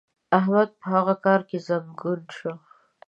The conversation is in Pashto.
احمد په هغه کار کې زنګون شو.